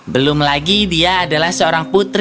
belum lagi dia adalah seorang putri